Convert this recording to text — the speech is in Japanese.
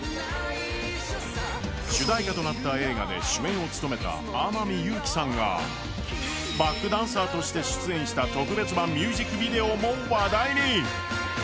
主題歌となった映画で主演を務めた天海祐希さんがバックダンサーとして出演し特別版ミュージックビデオも話題に。